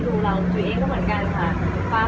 ก็มันไม่ได้พูดอะไรเป็นพิเศษได้แต่มองหน้ากัน